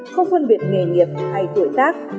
không phân biệt nghề nghiệp hay tuổi tác